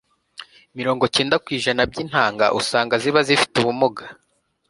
mirongo icyenda kwijana by'intanga usohora ziba zifite ubumuga